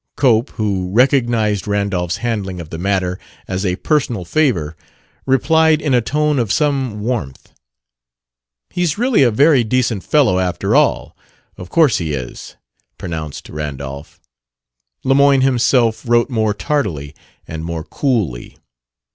Cope, who recognized Randolph's handling of the matter as a personal favor, replied in a tone of some warmth. "He's really a very decent fellow, after all, of course he is," pronounced Randolph. Lemoyne himself wrote more tardily and more coolly.